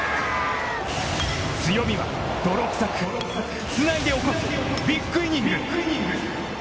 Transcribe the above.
強みは泥くさく、つないで起こすビッグイニング！